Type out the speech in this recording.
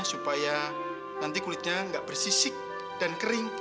supaya nanti kulitnya nggak bersisik dan kering